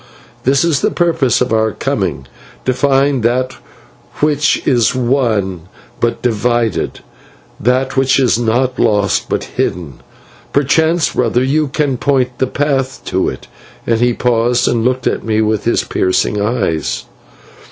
This is the purpose of our coming to find that which is one, but divided; that which is not lost, but hidden. Perchance, brother, you can point the path to it,' and he paused and looked at me with his piercing eyes.